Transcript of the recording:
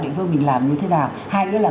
địa phương mình làm như thế nào hai nữa là